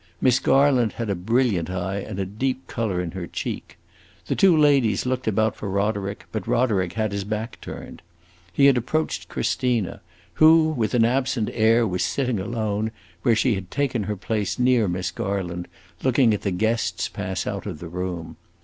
Miss Garland had a brilliant eye and a deep color in her cheek. The two ladies looked about for Roderick, but Roderick had his back turned. He had approached Christina, who, with an absent air, was sitting alone, where she had taken her place near Miss Garland, looking at the guests pass out of the room.